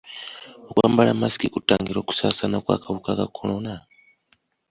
Okwambala masiki kutangira okusaasaana kw'akawuka ka kolona?